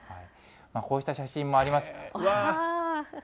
こうした写真もあります。